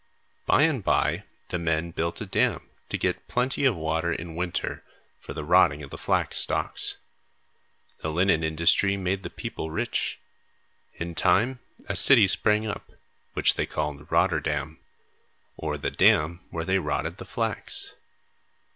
By and by, the men built a dam to get plenty of water in winter for the rotting of the flax stalks. The linen industry made the people rich. In time, a city sprang up, which they called Rotterdam, or the dam where they rotted the flax.